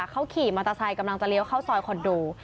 เขาขี่มอเตอร์ไซค์กำลังจะเลี้ยวเข้าซอยคอนโด